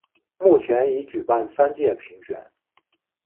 目前已举办三届评选。